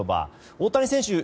大谷選手